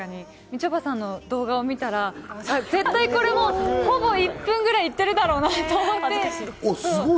みちょぱさんの動画を見たら、絶対これはほぼ１分くらいいっているだろうなと思って。